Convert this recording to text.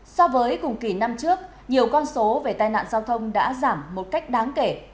so với cùng kỳ năm trước nhiều con số về tai nạn giao thông đã giảm một cách đáng kể